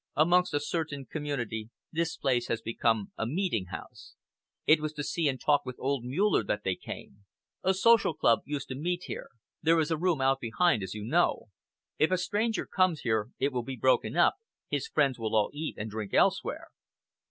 Amongst a certain community this place has become a meeting house. It was to see and talk with old Muller that they came. A social club used to meet here there is a room out behind, as you know. If a stranger comes here, it will be broken up, his friends will all eat and drink elsewhere!"